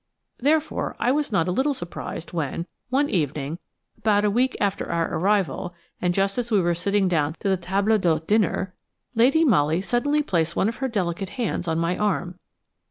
Therefore I was not a little surprised when, one evening, about a week after our arrival and just as we were sitting down to the table d'hôte dinner, Lady Molly suddenly placed one of her delicate hands on my arm.